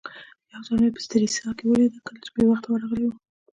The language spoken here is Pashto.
یو ځل مې په سټریسا کې ولید کله چې بې وخته ورغلی وم.